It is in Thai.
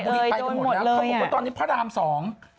เขาบอกว่าตอนนี้พระรามสอง